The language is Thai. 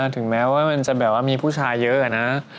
ถึงแม้ว่ามันจะแบบว่ามีผู้ชายเยอะนะ